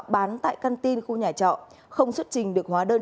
bán tại căn tin khu nhà trọ không xuất trình được hóa đơn